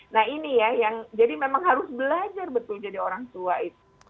nah ini ya yang jadi memang harus belajar betul jadi orang tua itu